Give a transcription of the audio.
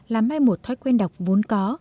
là mai một thói quen đọc vốn có